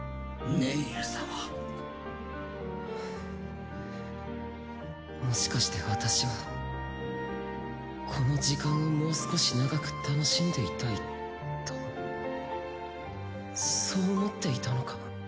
ネイル：もしかして私はこの時間をもう少し長く楽しんでいたいとそう思っていたのか？